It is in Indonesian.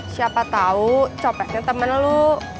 siapa tau copetnya temen lo